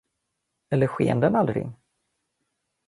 Eller sken den aldrig?